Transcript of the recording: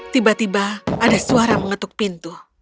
tiba tiba ada suara mengetuk pintu